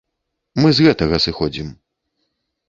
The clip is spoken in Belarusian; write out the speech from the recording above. Мы з гэтага сыходзім.